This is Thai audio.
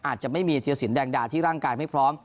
อาจจะไม่มีเทียดศิลป์แด่งด่าที่ร่างกายไม่พร้อม